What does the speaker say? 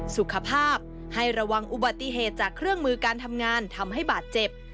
สุขภาพให้ระวังอุบัติเหตุจากเครื่องมือการทำงานทำให้บาดเจ็บ